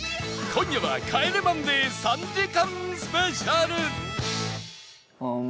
今夜は『帰れマンデー』３時間スペシャル